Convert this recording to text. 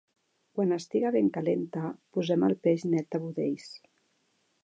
Quan estiga ben calenta, posem el peix net de budells.